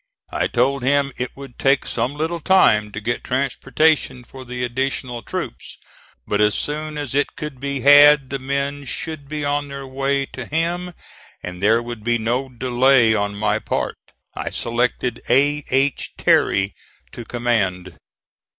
I told him it would take some little time to get transportation for the additional troops; but as soon as it could be had the men should be on their way to him, and there would be no delay on my part. I selected A. H. Terry to command.